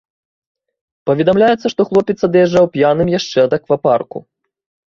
Паведамляецца, што хлопец ад'язджаў п'яным яшчэ ад аквапарку.